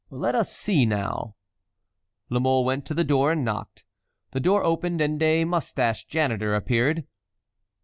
Let us see, now." La Mole went to the door and knocked. The door opened and a mustached janitor appeared.